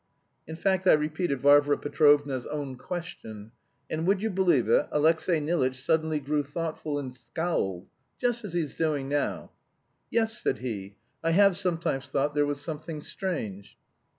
In fact, I repeated Varvara Petrovna's own question. And would you believe it, Alexey Nilitch suddenly grew thoughtful, and scowled, just as he's doing now. 'Yes,' said he, 'I have sometimes thought there was something strange.'